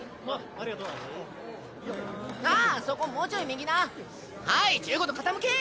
ありがとうあそこもうちょい右なはい１５度傾け！